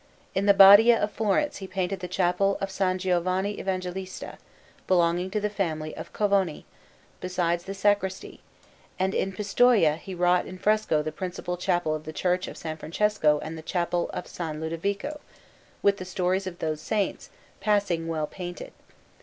In the Badia of Florence he painted the Chapel of S. Giovanni Evangelista, belonging to the family of Covoni, beside the sacristry; and in Pistoia he wrought in fresco the principal chapel of the Church of S. Francesco and the Chapel of S. Lodovico, with the stories of those Saints, passing well painted.